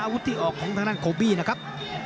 อาวุธที่ออกของทางด้านโคบี้นะครับ